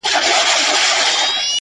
دا دی د ژوند و آخري نفس ته ودرېدم,